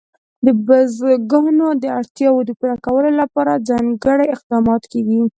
د بزګانو د اړتیاوو پوره کولو لپاره ځانګړي اقدامات کېږي.